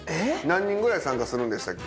何人ぐらい参加するんでしたっけ。